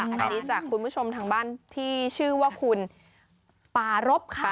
อันนี้จากคุณผู้ชมทางบ้านที่ชื่อว่าคุณปารบค่ะ